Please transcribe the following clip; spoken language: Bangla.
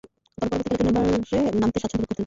তবে, পরবর্তীকালে তিন নম্বরে নামতে স্বাচ্ছন্দ্যবোধ করতেন।